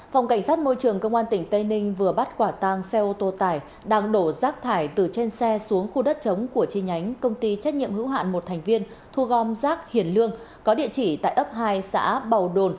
phòng cảnh sát môi trường công an tỉnh tây ninh vừa bắt quả tang xe ô tô tải đang đổ rác thải từ trên xe xuống khu đất chống của chi nhánh công ty trách nhiệm hữu hạn một thành viên thu gom rác hiền lương có địa chỉ tại ấp hai xã bầu đồn